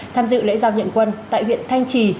tham dự lễ giao nhận quân tại huyện thanh trì